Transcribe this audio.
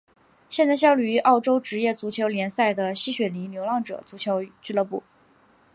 现在效力于澳洲职业足球联赛的西雪梨流浪者足球俱乐部。